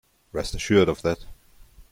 Rest assured of that!